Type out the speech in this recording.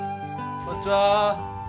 こんにちは！